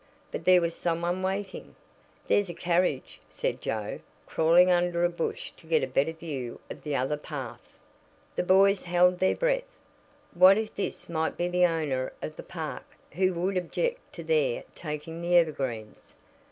But there was some one waiting. "There's a carriage," said Joe, crawling under a bush to get a better view of the other path. The boys held their breath. What if this might be the owner of the park, who would object to their taking the evergreens?